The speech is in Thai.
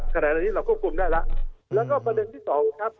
ครับผมได้ยินครับ